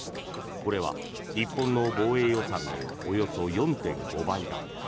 これは日本の防衛予算のおよそ４．５倍だ。